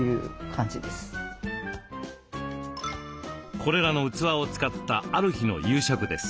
これらの器を使ったある日の夕食です。